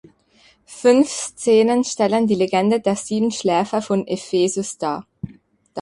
Fünf Szenen stellen die Legende der Sieben Schläfer von Ephesus dar.